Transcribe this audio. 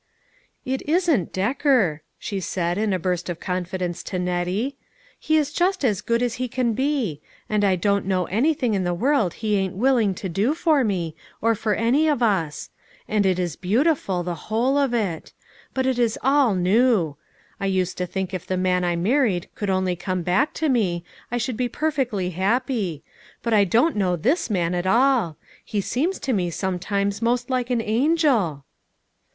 381 " It isn't Decker," she said in a burst of con fidence to Nettie. " He is just as good as he can be ; and I don't know anything in the world he ain't willing to do for me, or for any of us ; and it is beautiful, the whole of it ; but it is all new. I used to think if the man I married could only come back to me I should be per fectly happy ; but I don't know this man at all; he seems to me sometimes most like an angel."